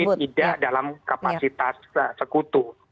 tidak dalam kapasitas sekutu